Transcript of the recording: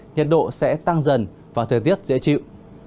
nhiệt độ sẽ tăng dần và thời tiết dễ chịu